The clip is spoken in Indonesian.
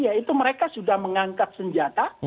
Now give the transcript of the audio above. ya itu mereka sudah mengangkat senjata